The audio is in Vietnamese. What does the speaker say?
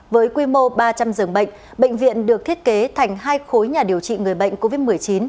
với quy mô ba trăm linh giường bệnh bệnh viện được thiết kế thành hai khối nhà điều trị người bệnh covid một mươi chín